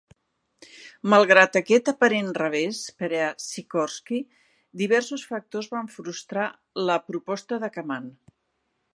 Malgrat aquest aparent revés per a Sikorsky, diversos factors van frustrar la proposta de Kaman.